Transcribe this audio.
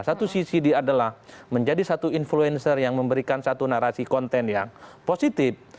satu sisi dia adalah menjadi satu influencer yang memberikan satu narasi konten yang positif